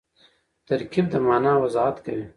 ترکیب د مانا وضاحت کوي.